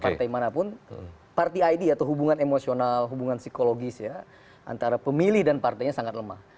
karena partai mana pun party id atau hubungan emosional hubungan psikologis ya antara pemilih dan partainya sangat lemah